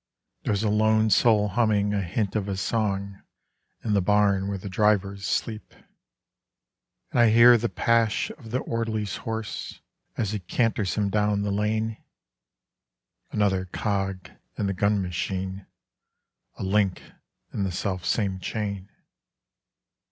There's a lone soul humming a hint of a song in the barn where the drivers sleep; And I hear the pash of the orderly's horse as he canters him down the lane Another cog in the gun machine, a link in the selfsame chain.